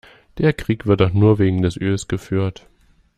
Der Krieg wird doch nur wegen des Öls geführt.